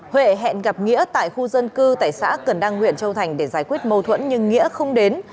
huệ hẹn gặp nghĩa tại khu dân cư tại xã cần đăng huyện châu thành để giải quyết mâu thuẫn nhưng nghĩa không đến